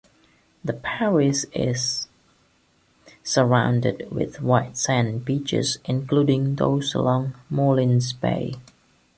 The parish is surrounded with white sand beaches, including those along Mullins Bay.